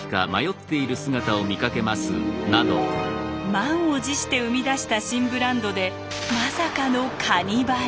満を持して生み出した新ブランドでまさかのカニバリ。